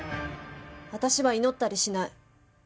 私は祈ったりしない。